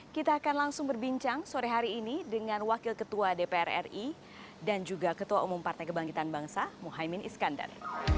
kita akan langsung berbincang sore hari ini dengan wakil ketua dpr ri dan juga ketua umum partai kebangkitan bangsa muhaymin iskandar